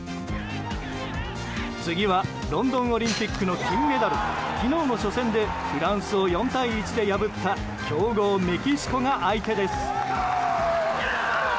次はロンドンオリンピックの金メダル昨日も初戦でフランスを４対１で破った強豪メキシコが相手です。